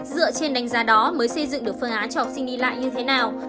dựa trên đánh giá đó mới xây dựng được phương án cho học sinh đi lại như thế nào